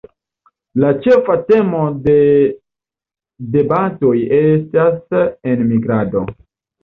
La ĉefa temo de debatoj estas enmigrado.